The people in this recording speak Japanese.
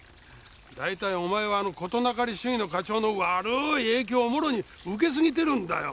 大体お前はあの事なかれ主義の課長の悪い影響をもろに受けすぎてるんだよ。